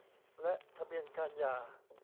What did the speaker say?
และทะเบียนการหย่า